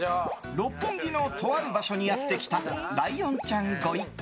六本木のとある場所にやってきたライオンちゃん御一行。